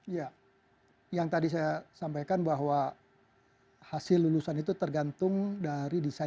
ya yang tadi saya sampaikan bahwa hasil lulusan itu tergantung dari desain